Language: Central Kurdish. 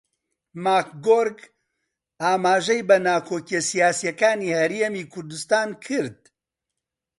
ماکگۆرک ئاماژەی بە ناکۆکییە سیاسییەکانی هەرێمی کوردستان کرد